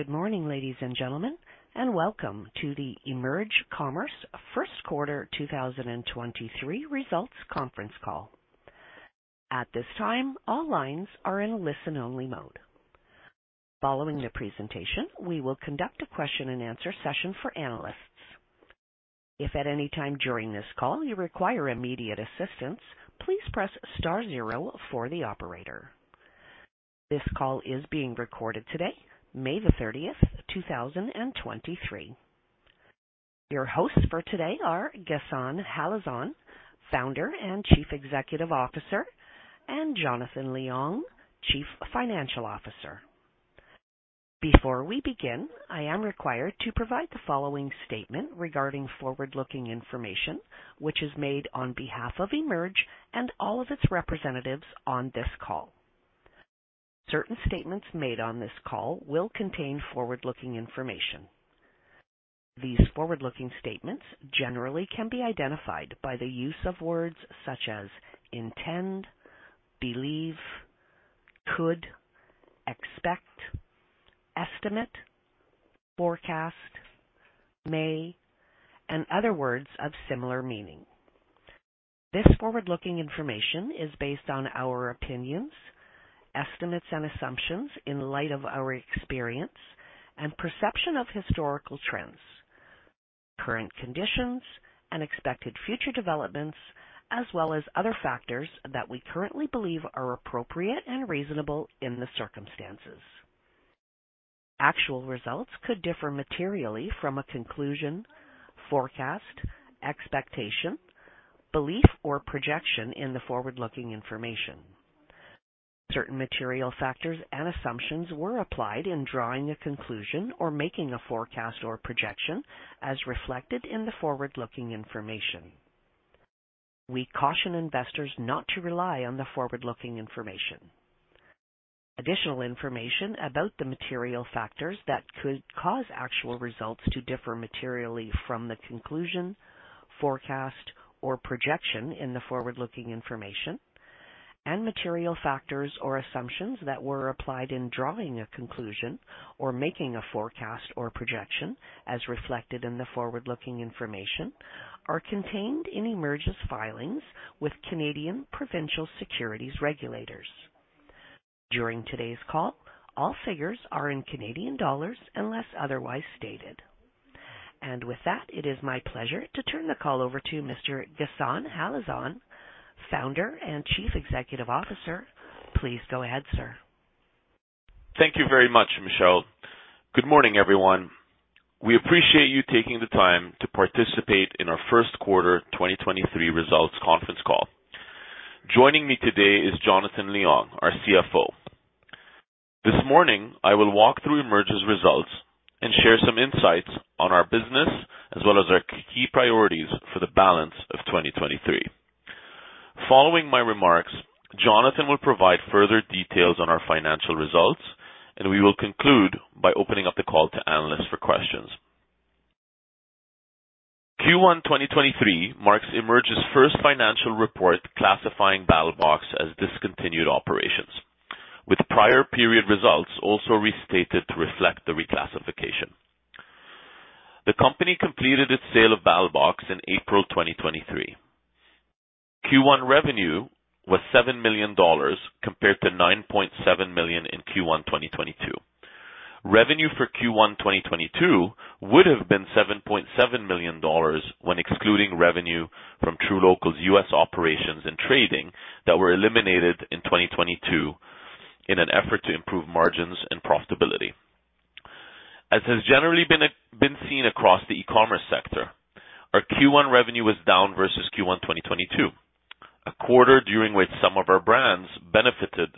Good morning, ladies and gentlemen, welcome to the EMERGE Commerce First Quarter 2023 Results Conference Call. At this time, all lines are in a listen-only mode. Following the presentation, we will conduct a question and answer session for analysts. If at any time during this call you require immediate assistance, please press *0 for the operator. This call is being recorded today, May 30th, 2023. Your hosts for today are Ghassan Halazon, Founder and Chief Executive Officer, and Jonathan Leong, Chief Financial Officer. Before we begin, I am required to provide the following statement regarding forward-looking information, which is made on behalf of EMERGE and all of its representatives on this call. Certain statements made on this call will contain forward-looking information. These forward-looking statements generally can be identified by the use of words such as intend, believe, could, expect, estimate, forecast, may, and other words of similar meaning. This forward-looking information is based on our opinions, estimates, and assumptions in light of our experience and perception of historical trends, current conditions, and expected future developments, as well as other factors that we currently believe are appropriate and reasonable in the circumstances. Actual results could differ materially from a conclusion, forecast, expectation, belief, or projection in the forward-looking information. Certain material factors and assumptions were applied in drawing a conclusion or making a forecast or projection as reflected in the forward-looking information. We caution investors not to rely on the forward-looking information. Additional information about the material factors that could cause actual results to differ materially from the conclusion, forecast or projection in the forward-looking information, and material factors or assumptions that were applied in drawing a conclusion or making a forecast or projection as reflected in the forward-looking information, are contained in EMERGE's filings with Canadian Provincial Securities Regulators. During today's call, all figures are in Canadian dollars unless otherwise stated. With that, it is my pleasure to turn the call over to Mr. Ghassan Halazon, Founder and Chief Executive Officer. Please go ahead, sir. Thank you very much, Michelle. Good morning, everyone. We appreciate you taking the time to participate in our first quarter 2023 results conference call. Joining me today is Jonathan Leong, our CFO. This morning, I will walk through EMERGE's results and share some insights on our business as well as our key priorities for the balance of 2023. Following my remarks, Jonathan will provide further details on our financial results, and we will conclude by opening up the call to analysts for questions. Q1 2023 marks EMERGE's first financial report, classifying BattlBox as discontinued operations, with prior period results also restated to reflect the reclassification. The company completed its sale of BattlBox in April 2023. Q1 revenue was 7 million dollars, compared to 9.7 million in Q1 2022. Revenue for Q1 2022 would have been 7.7 million dollars when excluding revenue from truLOCAL's U.S. operations and trading that were eliminated in 2022 in an effort to improve margins and profitability. As has generally been seen across the e-commerce sector, our Q1 revenue was down versus Q1 2022, a quarter during which some of our brands benefited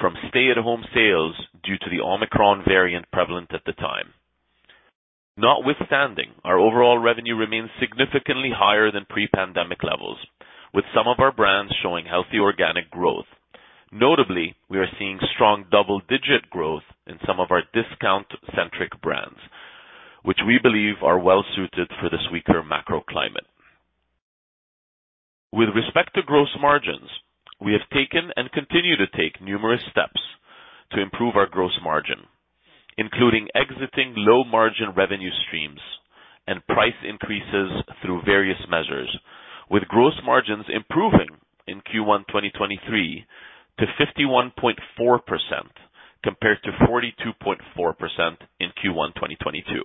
from stay-at-home sales due to the Omicron variant prevalent at the time. Notwithstanding, our overall revenue remains significantly higher than pre-pandemic levels, with some of our brands showing healthy organic growth. Notably, we are seeing strong double-digit growth in some of our discount-centric brands, which we believe are well-suited for this weaker macro climate. With respect to gross margins, we have taken and continue to take numerous steps to improve our gross margin, including exiting low-margin revenue streams and price increases through various measures, with gross margins improving in Q1 2023 to 51.4%, compared to 42.4% in Q1 2022.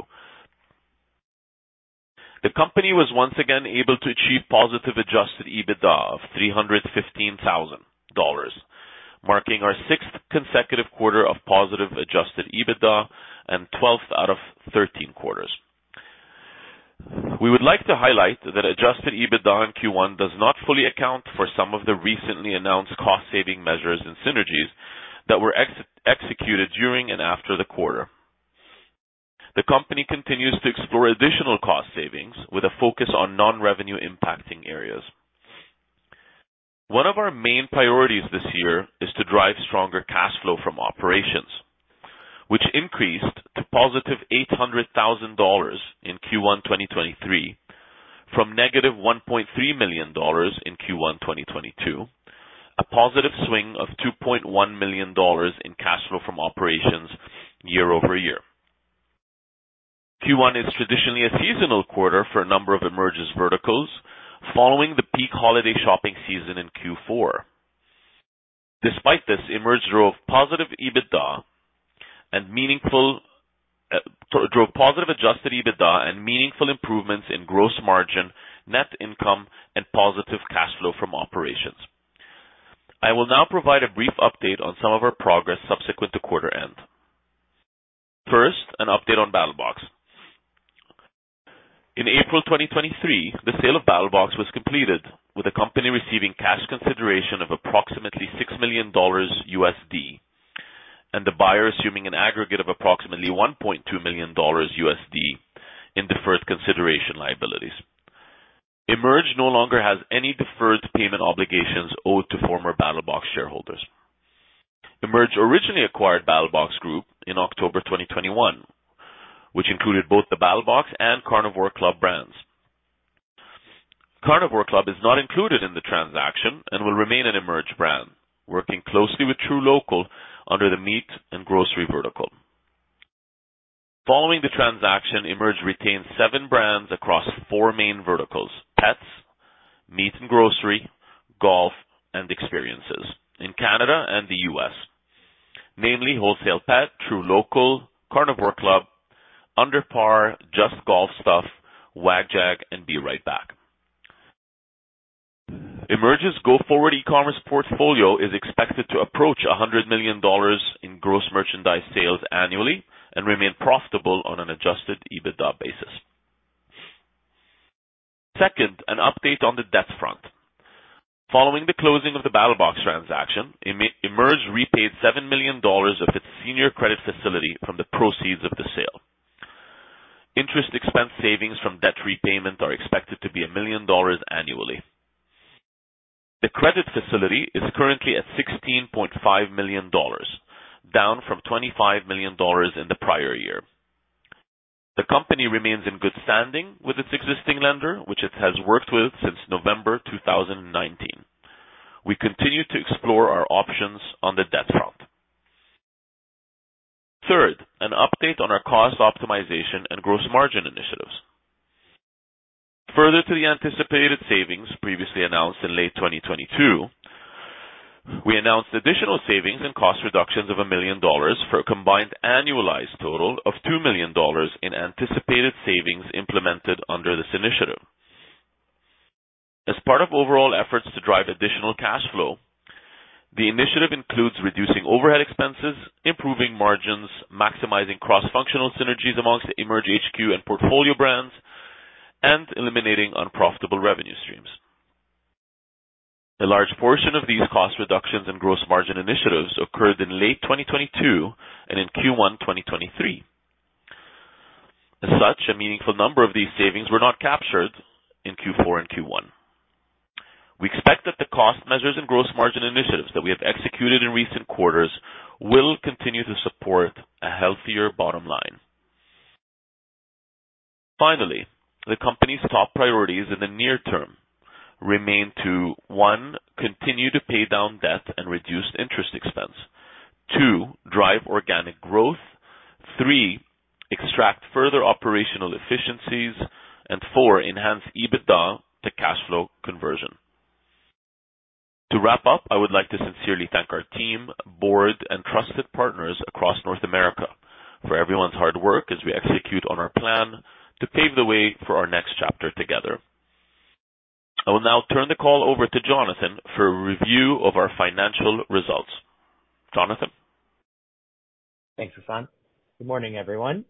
The company was once again able to achieve positive adjusted EBITDA of 315,000 dollars, marking our sixth consecutive quarter of positive adjusted EBITDA and twelfth out of 13 quarters. We would like to highlight that adjusted EBITDA in Q1 does not fully account for some of the recently announced cost-saving measures and synergies that were executed during and after the quarter. The company continues to explore additional cost savings with a focus on non-revenue impacting areas. One of our main priorities this year is to drive stronger cash flow from operations, which increased to positive 800,000 dollars in Q1 2023 from negative 1.3 million dollars in Q1 2022. A positive swing of 2.1 million dollars in cash flow from operations year-over-year. Q1 is traditionally a seasonal quarter for a number of EMERGE's verticals, following the peak holiday shopping season in Q4. Despite this, EMERGE drove positive adjusted EBITDA and meaningful improvements in gross margin, net income, and positive cash flow from operations. I will now provide a brief update on some of our progress subsequent to quarter end. First, an update on BattlBox. In April 2023, the sale of BattlBox was completed, with the company receiving cash consideration of approximately $6 million USD, and the buyer assuming an aggregate of approximately $1.2 million USD in deferred consideration liabilities. EMERGE no longer has any deferred payment obligations owed to former BattlBox shareholders. EMERGE originally acquired BattlBox Group in October 2021, which included both the BattlBox and Carnivore Club brands. Carnivore Club is not included in the transaction and will remain an EMERGE brand, working closely with truLOCAL under the meat and grocery vertical. Following the transaction, EMERGE retains seven brands across four main verticals: pets, meat and grocery, golf, and experiences in Canada and the US, namely WholesalePet, truLOCAL, Carnivore Club, UnderPar, Just Golf Stuff, WagJag, and BeRightBack. EMERGE's go-forward e-commerce portfolio is expected to approach 100 million dollars in gross merchandise sales annually and remain profitable on an adjusted EBITDA basis. Second, an update on the debt front. Following the closing of the BattlBox transaction, EMERGE repaid 7 million dollars of its senior credit facility from the proceeds of the sale. Interest expense savings from debt repayment are expected to be 1 million dollars annually. The credit facility is currently at 16.5 million dollars, down from 25 million dollars in the prior year. The company remains in good standing with its existing lender, which it has worked with since November 2019. We continue to explore our options on the debt front. Third, an update on our cost optimization and gross margin initiatives. Further to the anticipated savings previously announced in late 2022, we announced additional savings and cost reductions of 1 million dollars for a combined annualized total of 2 million dollars in anticipated savings implemented under this initiative. As part of overall efforts to drive additional cash flow, the initiative includes reducing overhead expenses, improving margins, maximizing cross-functional synergies amongst Emerge HQ and portfolio brands, and eliminating unprofitable revenue streams. A large portion of these cost reductions and gross margin initiatives occurred in late 2022 and in Q1, 2023. A meaningful number of these savings were not captured in Q4 and Q1. We expect that the cost measures and gross margin initiatives that we have executed in recent quarters will continue to support a healthier bottom line. The company's top priorities in the near term remain to, one, continue to pay down debt and reduce interest expense. Two, drive organic growth. Three, extract further operational efficiencies. Four, enhance EBITDA to cash flow conversion. To wrap up, I would like to sincerely thank our team, board, and trusted partners across North America for everyone's hard work as we execute on our plan to pave the way for our next chapter together. I will now turn the call over to Jonathan for a review of our financial results. Jonathan? Thanks, Ghassan. Good morning, everyone.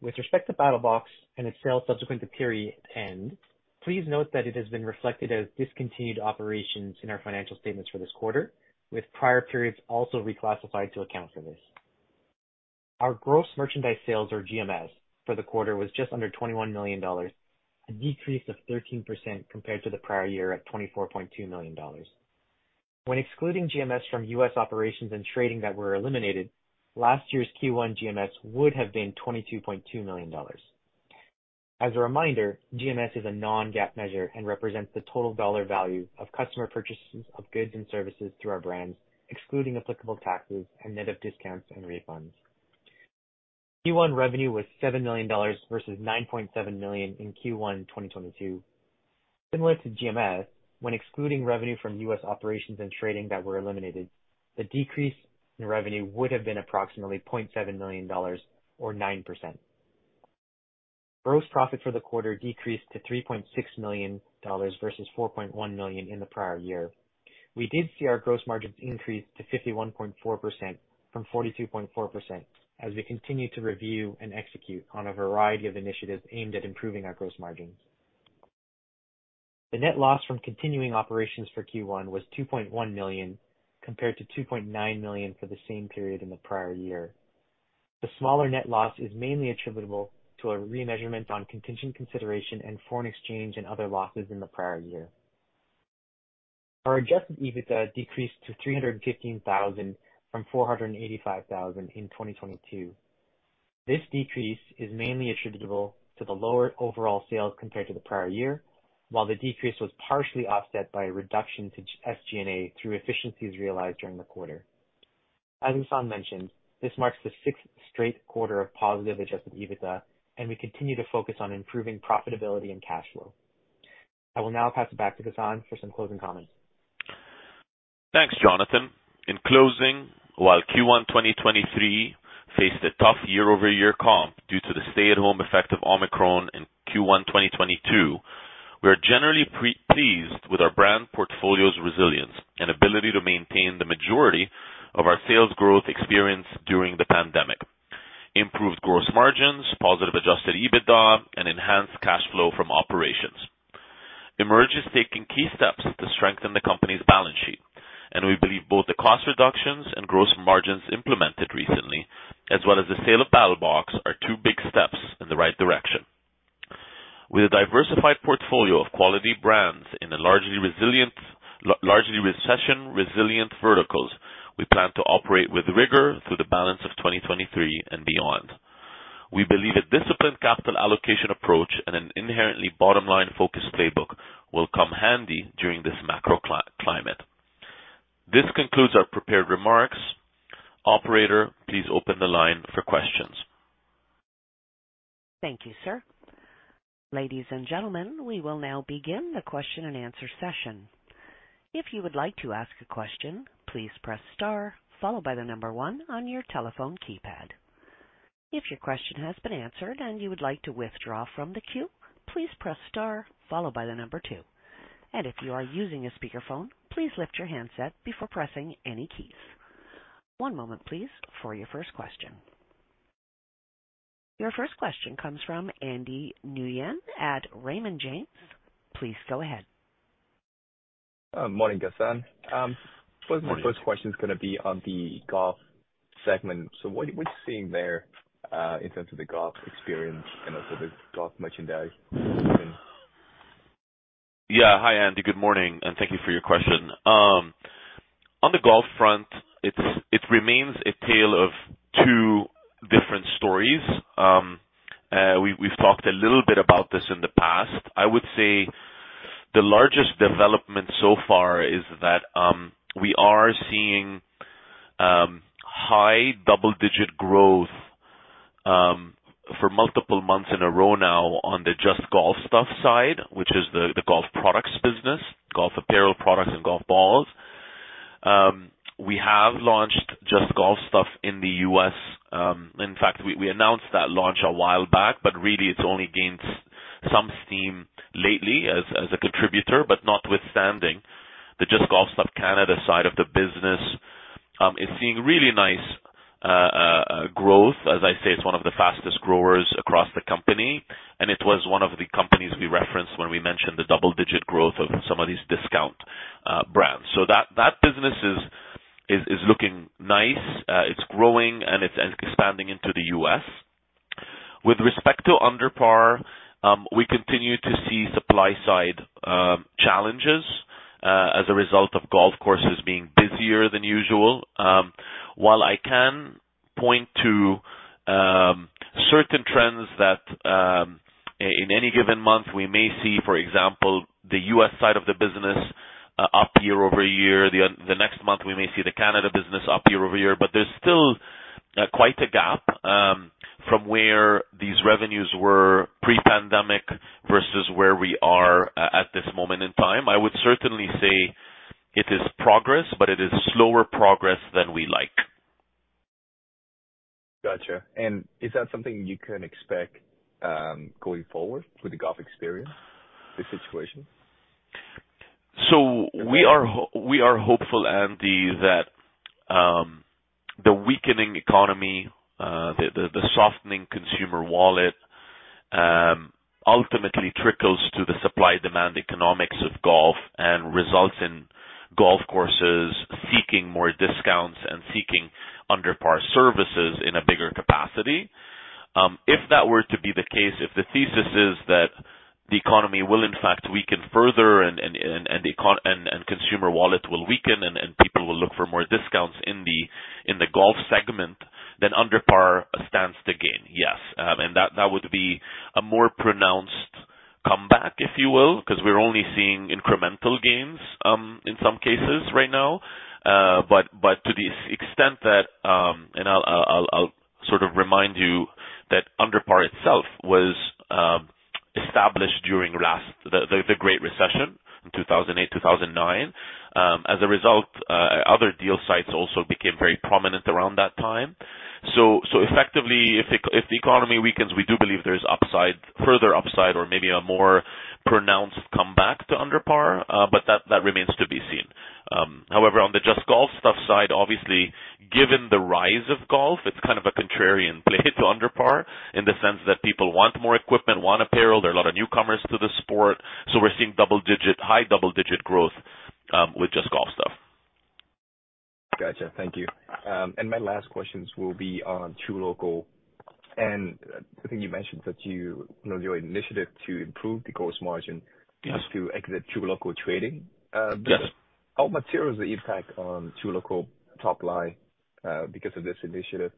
With respect to BattlBox and its sale subsequent to period end, please note that it has been reflected as discontinued operations in our financial statements for this quarter, with prior periods also reclassified to account for this. Our gross merchandise sales, or GMS, for the quarter was just under 21 million dollars, a decrease of 13% compared to the prior year at 24.2 million dollars. When excluding GMS from U.S. operations and trading that were eliminated, last year's Q1 GMS would have been 22.2 million dollars. As a reminder, GMS is a non-GAAP measure and represents the total dollar value of customer purchases of goods and services through our brands, excluding applicable taxes and net of discounts and refunds. Q1 revenue was 7 million dollars versus 9.7 million in Q1 2022. Similar to GMS, when excluding revenue from U.S. operations and trading that were eliminated, the decrease in revenue would have been approximately 0.7 million dollars or 9%. Gross profit for the quarter decreased to 3.6 million dollars versus 4.1 million in the prior year. We did see our gross margins increase to 51.4% from 42.4% as we continue to review and execute on a variety of initiatives aimed at improving our gross margins. The net loss from continuing operations for Q1 was 2.1 million, compared to 2.9 million for the same period in the prior year. The smaller net loss is mainly attributable to a remeasurement on contingent consideration and foreign exchange and other losses in the prior year. Our adjusted EBITDA decreased to 315,000 from 485,000 in 2022. This decrease is mainly attributable to the lower overall sales compared to the prior year, while the decrease was partially offset by a reduction to SG&A through efficiencies realized during the quarter. As Ghassan mentioned, this marks the sixth straight quarter of positive adjusted EBITDA, and we continue to focus on improving profitability and cash flow. I will now pass it back to Ghassan for some closing comments. Thanks, Jonathan. In closing, while Q1 2023 faced a tough year-over-year comp due to the stay-at-home effect of Omicron in Q1 2022, we are generally pleased with our brand portfolio's resilience and ability to maintain the majority of our sales growth experience during the pandemic, improved gross margins, positive adjusted EBITDA, and enhanced cash flow from operations. EMERGE is taking key steps to strengthen the company's balance sheet, we believe both the cost reductions and gross margins implemented recently, as well as the sale of BattlBox, are two big steps in the right direction. With a diversified portfolio of quality brands in a largely resilient, largely recession-resilient verticals, we plan to operate with rigor through the balance of 2023 and beyond. We believe a disciplined capital allocation approach and an inherently bottom-line focused playbook will come handy during this macro climate. This concludes our prepared remarks. Operator, please open the line for questions. Thank you, sir. Ladies and gentlemen, we will now begin the question-and-answer session. If you would like to ask a question, "please press star one" on your telephone keypad. If your question has been answered and you would like to withdraw from the queue, "please press star two". And if you are using a speakerphone, please lift your handset before pressing any keys. One moment, please, for your first question. Your first question comes from Andy Nguyen at Raymond James. Please go ahead. Morning, Ghassan. Morning. My first question is gonna be on the golf segment. What are you seeing there in terms of the golf experience and also the golf merchandise? Hi, Andy. Good morning, thank you for your question. On the golf front, it remains a tale of two different stories. We've talked a little bit about this in the past. I would say the largest development so far is that we are seeing high double-digit growth for multiple months in a row now on the Just Golf Stuff side, which is the golf products business, golf apparel products and golf balls. We have launched Just Golf Stuff in the U.S. In fact, we announced that launch a while back, but really it's only gained some steam lately as a contributor. Notwithstanding, the Just Golf Stuff Canada side of the business is seeing really nice growth. As I say, it's one of the fastest growers across the company, and it was one of the companies we referenced when we mentioned the double-digit growth of some of these discount brands. That business is looking nice, it's growing, and it's expanding into the US. With respect to UnderPar, we continue to see supply-side challenges as a result of golf courses being busier than usual. While I can point to certain trends that in any given month, we may see, for example, the US side of the business up year-over-year. The next month, we may see the Canada business up year-over-year. There's still quite a gap from where these revenues were pre-pandemic versus where we are at this moment in time. I would certainly say it is progress, but it is slower progress than we like. Gotcha. Is that something you can expect going forward with the golf experience, this situation? We are hopeful, Andy, that the weakening economy, the softening consumer wallet, ultimately trickles to the supply-demand economics of golf and results in golf courses seeking more discounts and seeking UnderPar services in a bigger capacity. If that were to be the case, if the thesis is that the economy will in fact weaken further and consumer wallet will weaken and people will look for more discounts in the golf segment, then UnderPar stands to gain. Yes, and that would be a more pronounced comeback, if you will, because we're only seeing incremental gains in some cases right now. But to the extent that I'll sort of remind you that UnderPar itself was established during last The Great Recession in 2008, 2009. As a result, other deal sites also became very prominent around that time. Effectively, if the economy weakens, we do believe there is upside, further upside or maybe a more pronounced comeback to UnderPar, but that remains to be seen. However, on the Just Golf Stuff side, obviously, given the rise of golf, it's kind of a contrarian play to UnderPar in the sense that people want more equipment, want apparel. There are a lot of newcomers to the sport, so we're seeing double-digit, high double-digit growth with Just Golf Stuff Gotcha. Thank you. My last questions will be on truLOCAL. I think you mentioned that you know, your initiative to improve the gross margin is to exit truLOCAL trading. How material is the impact on truLOCAL top line, because of this initiative?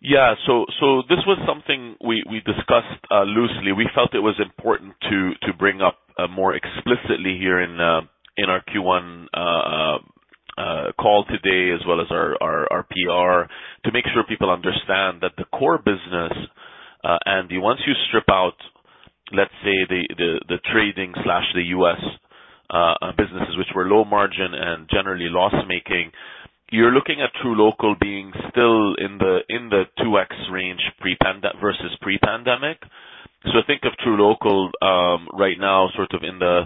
Yeah, this was something we discussed loosely. We felt it was important to bring up more explicitly here in our Q1 call today, as well as our PR, to make sure people understand that the core business, and once you strip out, let’s say, the trading slash the US businesses, which were low margin and generally loss-making, you’re looking at truLOCAL being still in the 2x range versus pre-pandemic. Think of truLOCAL right now, sort of in the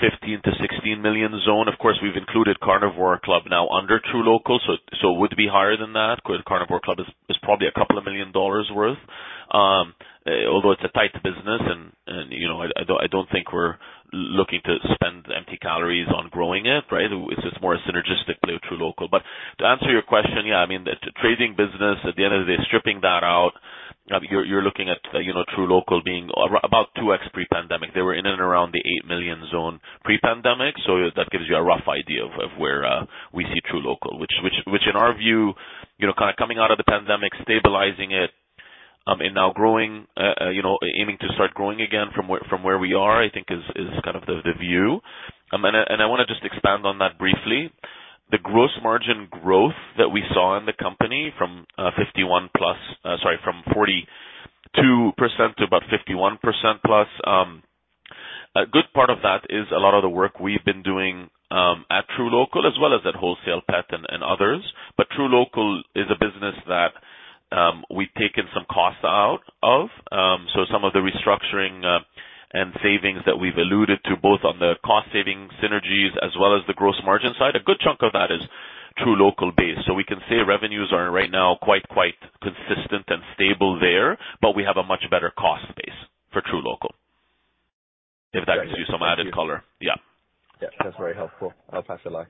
15 million-16 million zone. Of course, we’ve included Carnivore Club now under truLOCAL, so it would be higher than that. Because Carnivore Club is probably 2 million dollars worth, although it's a tight business and you know, I don't think we're looking to spend empty calories on growing it, right? It's just more synergistic to truLOCAL. To answer your question, yeah, I mean, the trading business, at the end of the day, stripping that out, you're looking at, you know, truLOCAL being about 2x pre-pandemic. They were in and around the 8 million zone pre-pandemic. That gives you a rough idea of where we see truLOCAL. Which in our view, you know, kind of coming out of the pandemic, stabilizing it, and now growing, you know, aiming to start growing again from where we are, I think, is kind of the view. I want to just expand on that briefly. The gross margin growth that we saw in the company from 51+, sorry, from 42% to about 51%+, a good part of that is a lot of the work we've been doing at truLOCAL as well as at WholesalePet and others. truLOCAL is a business that we've taken some costs out of. Some of the restructuring and savings that we've alluded to, both on the cost saving synergies as well as the gross margin side, a good chunk of that is truLOCAL based. We can say revenues are right now quite consistent and stable there, but we have a much better cost base for truLOCAL, if that gives you some added color. Yeah, that's very helpful. I'll pass it along.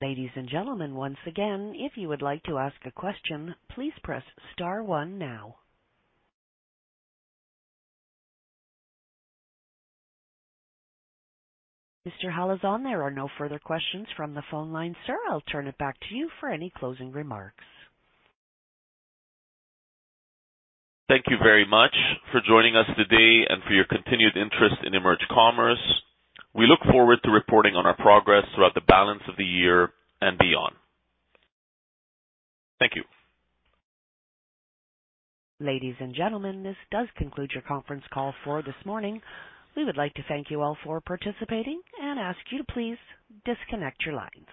Ladies and gentlemen, once again, if you would like to ask a question, "please press star one" now. Mr. Halazon, there are no further questions from the phone line, sir. I'll turn it back to you for any closing remarks. Thank you very much for joining us today and for your continued interest in EMERGE Commerce. We look forward to reporting on our progress throughout the balance of the year and beyond. Thank you. Ladies and gentlemen, this does conclude your conference call for this morning. We would like to thank you all for participating and ask you to please disconnect your lines.